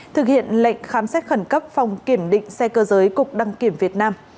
thực hiện lệnh khám xét khẩn cấp phòng kiểm định xe cơ giới cục đăng kiểm việt nam